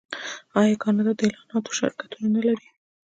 آیا کاناډا د اعلاناتو شرکتونه نلري؟